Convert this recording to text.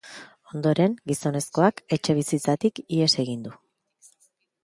Ondoren, gizonezkoak etxebizitzatik ihes egin du.